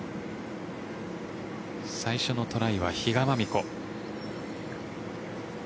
最初のトライは比嘉真美子。